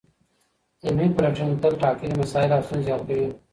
علمي پلټني تل ټاکلي مسایل او ستونزي حل کوي.